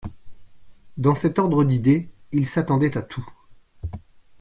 Dans cet ordre d’idées, ils s’attendaient à tout.